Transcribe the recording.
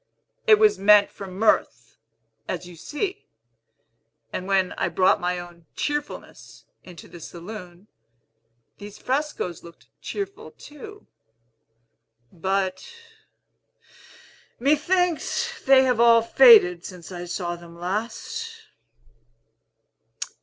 "It was meant for mirth, as you see; and when I brought my own cheerfulness into the saloon, these frescos looked cheerful too. But, methinks, they have all faded since I saw them last."